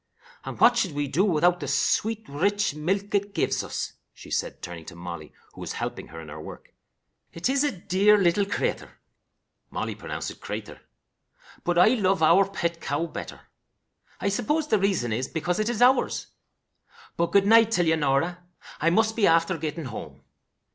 And what should we do without the sweet, rich milk it gives us!" she said, turning to Molly, who was helping her in her work. "It is a dear little creature" (Molly pronounced it crayther), "but I love our pet cow better. I suppose the reason is because it is ours. But, good night till ye, Norah. I must be after getting home."